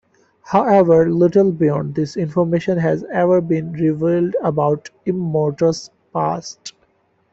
However, little beyond this information has ever been revealed about Immortus' past.